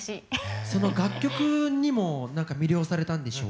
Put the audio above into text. その楽曲にも何か魅了されたんでしょ？